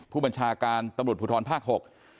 ผู้บัญชาการตำรุดผู้ท้อนปรากฏ